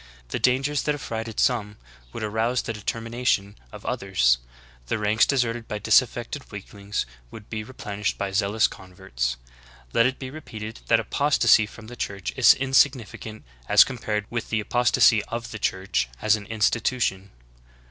The dangers that af frighted some would arouse the determination of others; the ranks deserted by disaffected weaklings would be re plenished by zealous converts. Let it be repeated that apos tasy from the Church is insignificant as compared with the apostasy of the Church as an institution.